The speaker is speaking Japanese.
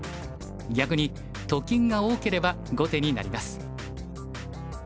逆にと金が多ければ後手になります。